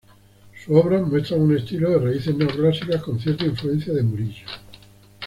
Sus obras muestran un estilo de raíces neoclásicas, con cierta influencia de Murillo.